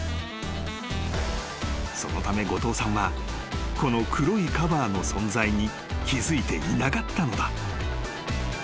［そのため後藤さんはこの黒いカバーの存在に気付いていなかったのだ］